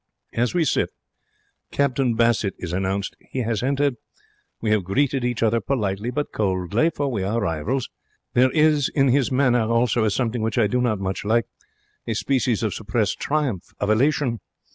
As we sit, Captain Bassett is announced. He has entered. We have greeted each other politely but coldly, for we are rivals. There is in his manner also a something which I do not much like a species of suppressed triumph, of elation.